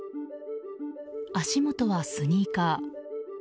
足元はスニーカー。